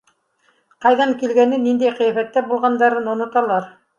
Ҡайҙан килгәнен, ниндәй ҡиәфәттә булғандарын оноталар.